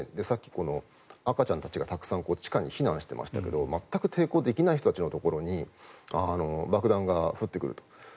さっき赤ちゃんたちがたくさん地下に避難していましたけれど全く抵抗できない人たちのところに爆弾が降ってくると。